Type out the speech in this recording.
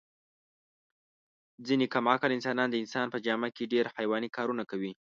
ځنې کم عقل انسانان د انسان په جامه کې ډېر حیواني کارونه کوي.